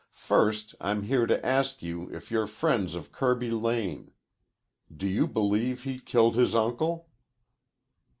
First, I'm here to ask you if you're friends of Kirby Lane. Do you believe he killed his uncle?"